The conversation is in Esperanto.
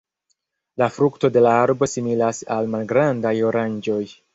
La frukto de la arbo similas al malgrandaj oranĝoj.